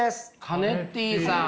カネッティさん。